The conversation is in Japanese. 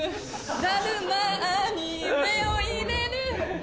だるまに目を入れるの